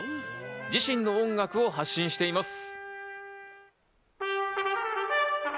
自身の音楽を発信しています。